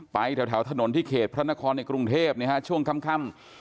แถวถนนที่เขตพระนครในกรุงเทพช่วงค่ำ